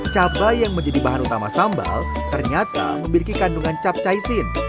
cabai yang menjadi bahan utama sambal ternyata memiliki kandungan capcaisin